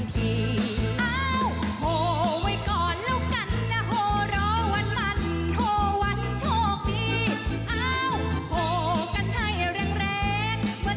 กะวันมันวันไหนจะเท่าข้างกัน